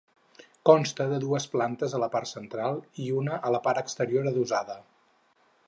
Consta de dues plantes a la part central i una a la part exterior adossada.